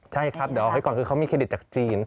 ใช่ครับเดี๋ยวเอาไว้ก่อนคือเขามีเครดิตจากจีน